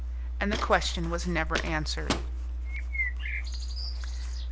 And the question was never answered.